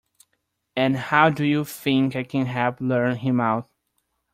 And how do you think I can help lure him out?